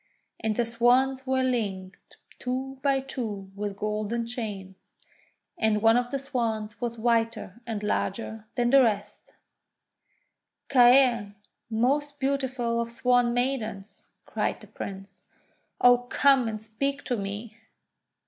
And the Swans were linked THE FAIRY SWAN SONG 241 two by two with golden chains, and one of the Swans wras whiter and larger than the rest. 'Caer, most beautiful of Swan Maidens!' cried the Prince. ;<Oh, come and speak to me!'